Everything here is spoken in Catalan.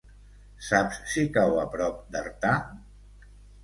Saps si cau a prop d'Artà?